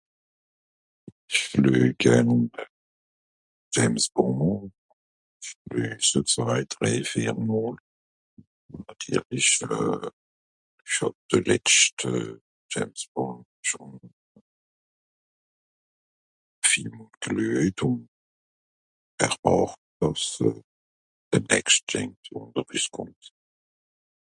ìsch leuj gern James Bond ìsch leuj'se zwei drei vier mòl nàtirlich euh sch'hàb de letscht euh James Bond schòn vielmòl geleujt ùn wärt òr às de nächste James Bond a rüsskòmmt